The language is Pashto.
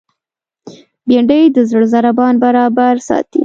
بېنډۍ د زړه ضربان برابر ساتي